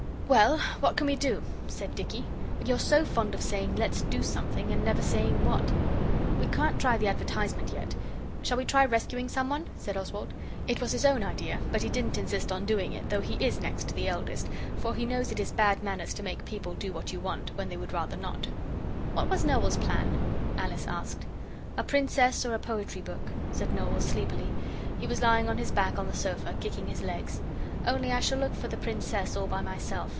'Well, what can we do?' said Dicky. 'You are so fond of saying "Let's do something!" and never saying what.' 'We can't try the advertisement yet. Shall we try rescuing some one?' said Oswald. It was his own idea, but he didn't insist on doing it, though he is next to the eldest, for he knows it is bad manners to make people do what you want, when they would rather not. 'What was Noel's plan?' Alice asked. 'A Princess or a poetry book,' said Noel sleepily. He was lying on his back on the sofa, kicking his legs. 'Only I shall look for the Princess all by myself.